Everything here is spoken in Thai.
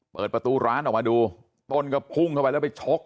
เปิดประตูร้านออกมาดูต้นก็พุ่งเข้าไปแล้วไปชก